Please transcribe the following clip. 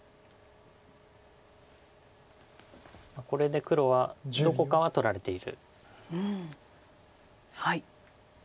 これで黒はどこかは取られている。